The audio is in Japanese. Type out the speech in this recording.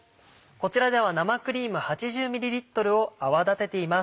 こちらでは生クリーム８０ｍを泡立てています。